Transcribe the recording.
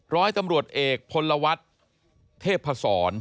ร้อยตำรวจเอกพลวัฒน์เทพศร